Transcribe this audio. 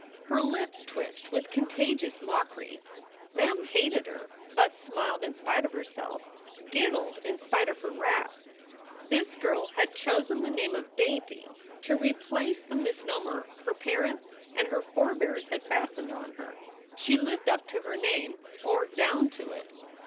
Her lips twitched with contagious mockery. Mem hated her, but smiled in spite of herself, giggled in spite of her wrath. This girl had chosen the name of Dainty to replace the 2i 4 SOULS FOR SALE misnomer her parents and her forbears had fastened on her. She lived up to her name or down to it.